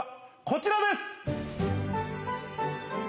こちらです！